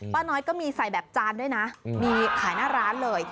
น้อยก็มีใส่แบบจานด้วยนะมีขายหน้าร้านเลย